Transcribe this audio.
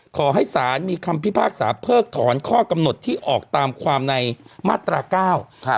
ขอให้ศาลมีคำพิพากษาเพิกถอนข้อกำหนดที่ออกตามความในมาตราเก้าครับ